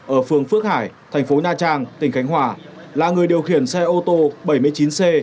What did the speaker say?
ở phường phước hải thành phố nha trang tỉnh khánh hòa là người điều khiển xe ô tô bảy mươi chín c một mươi nghìn bốn trăm hai mươi